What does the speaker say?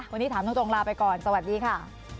วันนี้ถามตรงลาไปก่อนสวัสดีค่ะ